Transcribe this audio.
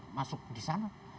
iya masuk desa